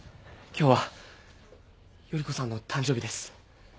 今日は依子さんの誕生日です。